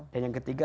dan yang ketiga